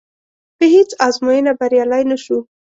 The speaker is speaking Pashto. په هېڅ ازموینه بریالی نه شو.